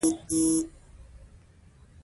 دا د سیسټمونو بشپړه او ټولیزه مطالعه ده.